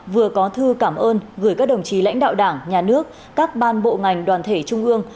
vừa có thư cảm ơn gửi các đồng chí lãnh đạo đảng nhà nước các ban bộ ngành đoàn thể trung ương